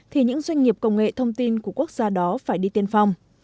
thì những doanh nghiệp công nghệ thông tin của quốc gia đó phải đi tiên phong